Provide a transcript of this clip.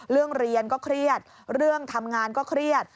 เรียนก็เครียดเรื่องทำงานก็เครียด